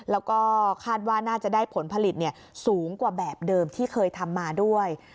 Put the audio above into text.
แล้วก็คาดว่าน่าจะได้ผลผลิตสูงกว่าแบบเดิมที่เคยทำมาด้วย